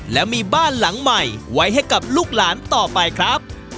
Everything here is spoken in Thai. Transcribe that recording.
และมีบ้านหลังใหม่ไว้ให้กับลูกหลานต่อไปครับ